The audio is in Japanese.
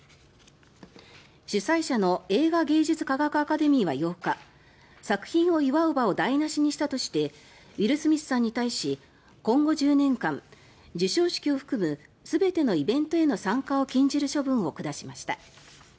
主催者の映画芸術科学アカデミーは８日作品を祝う場を台なしにしたとしてウィル・スミスさんに対し今後１０年間授賞式を含む全てのイベントへの参加を禁じる処分を下しました。